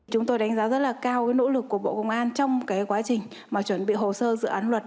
chúng tôi đánh giá rất là cao nỗ lực của bộ công an trong quá trình chuẩn bị hồ sơ dự án luật